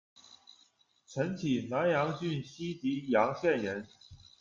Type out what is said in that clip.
岑起，南阳郡西棘阳县人。